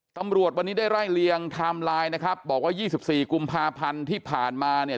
ตำรวจวันนี้ได้ไล่เลียงไทม์ไลน์นะครับบอกว่า๒๔กุมภาพันธ์ที่ผ่านมาเนี่ย